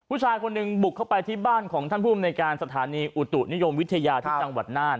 ผู้ชายคนหนึ่งบุกเข้าไปที่บ้านของท่านภูมิในการสถานีอุตุนิยมวิทยาที่จังหวัดน่าน